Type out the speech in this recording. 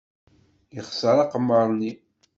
Yexṣer aqemmer-nni.